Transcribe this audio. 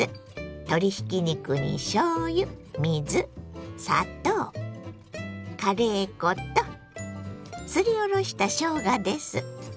鶏ひき肉にしょうゆ水砂糖カレー粉とすりおろしたしょうがです。